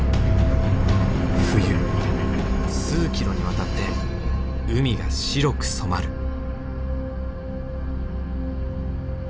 冬数キロにわたって海が白く染まる。